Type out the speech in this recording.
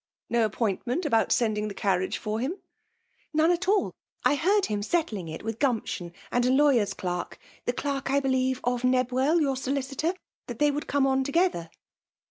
No appointment aboat sending the carriage &rhim?" <* None at all. I heard him aettling it with Gumption and a lawyer's clerk* (the derk, I believe, of Nebwell, your solicitor^) that they would come on together.'